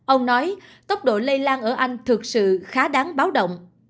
ông nói tốc độ lây lan ở anh thực sự khá đáng báo động